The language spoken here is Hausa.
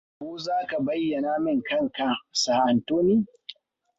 Ko za ka bayyana min kanka, Sir Anthony.